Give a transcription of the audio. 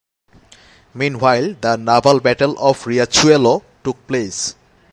Meanwhile, the naval Battle of Riachuelo took place.